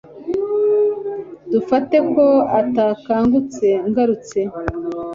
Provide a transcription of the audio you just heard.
Dufate ko utakangutse ngarutse